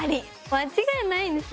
間違いないんです